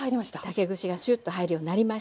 竹串がシュッと入るようになりました。